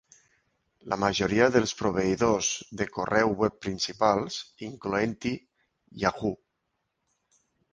La majoria dels proveïdors de correu web principals, incloent-hi Yahoo!